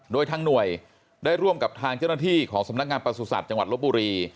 โดยทางหน่วยได้ร่วมกับทางเจ้าหน้าที่ของสำนักงานประสุทธิ์จังหวัดลบบุรี